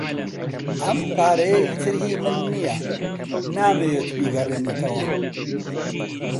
ئەم پارەیە ئیتر هی من نییە. نامەوێت بیگەڕێنیتەوە.